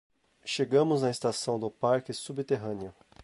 Chegamos na estação do parque subterrâneo